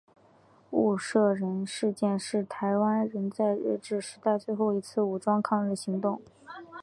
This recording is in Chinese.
雾社事件是台湾人在日治时代最后一次武装抗日行动。